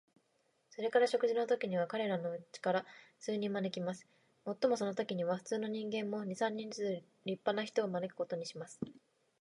それから食事のときには、彼等のうちから数人招きます。もっともそのときには、普通の人間も、二三人ずつ立派な人を招くことにします。